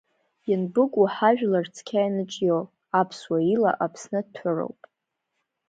Ианбыкәу ҳажәлар цқьа ианыҿио, аԥсуа ила Аԥсны ҭәыроуп!